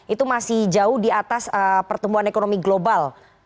itu masih jauh di atas pertumbuhan ekonomi global